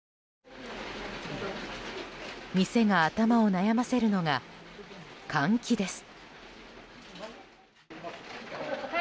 店が頭を悩ませるのが換気です。